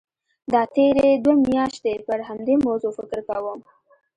دا تېرې دوه میاشتې پر همدې موضوع فکر کوم.